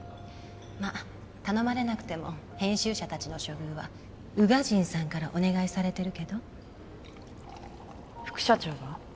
まっ頼まれなくても編集者達の処遇は宇賀神さんからお願いされてるけど副社長が？